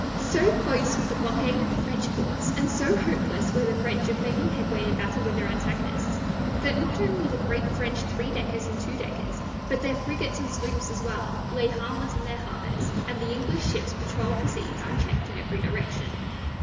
So close was the blockade of the French ports, and so hopeless were the French of making headway in battle with their antagonists, that not only the great French three deckers and two deckers, but their frigates and sloops as well, lay harmless in their harbors, and the English ships patroled the seas unchecked in every direction.